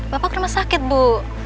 bapak ke rumah sakit bu